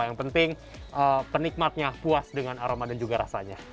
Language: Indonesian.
yang penting penikmatnya puas dengan aroma dan juga rasanya